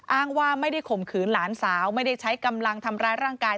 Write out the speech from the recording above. อ้างว่าไม่ได้ข่มขืนหลานสาวไม่ได้ใช้กำลังทำร้ายร่างกาย